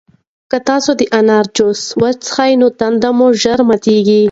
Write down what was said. که تاسي د انار جوس وڅښئ نو تنده مو ژر ماتیږي.